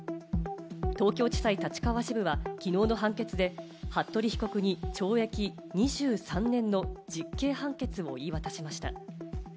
東京地裁立川支部はきのうの判決で服部被告に懲役２３年の実刑判決を言い渡しました。